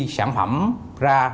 sản phẩm ra